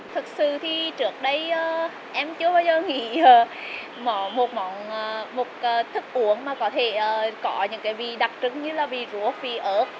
thực sự thì trước đây em chưa bao giờ nghĩ một món thức uống mà có thể có những vị đặc trưng như là vị ruốc vị ớt